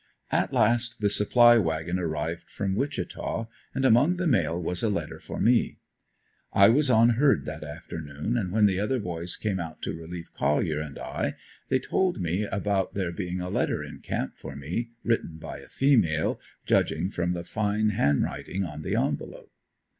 At last the supply wagon arrived from Wichita and among the mail was a letter for me. I was on herd that forenoon and when the other boys came out to relieve Collier and I, they told me about there being a letter in camp for me, written by a female, judging from the fine hand writing on the envelope.